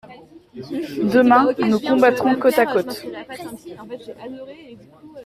Demain, nous combattrons côte à côte.